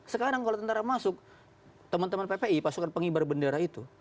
sekarang kalau tentara masuk teman teman ppi pasukan pengibar bendera itu